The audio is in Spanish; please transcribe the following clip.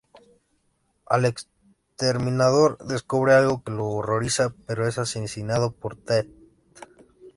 El exterminador descubre algo que lo horroriza, pero es asesinado por Tate.